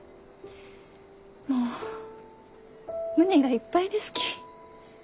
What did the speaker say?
もう胸がいっぱいですき。